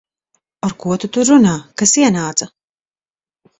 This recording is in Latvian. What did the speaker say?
Ar ko tu tur runā? Kas ienāca?